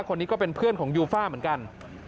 คนนี้ก็เป็นเพื่อนของยูฟ่าเหมือนกัน